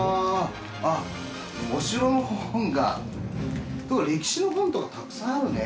あっお城の本が歴史の本とかたくさんあるね。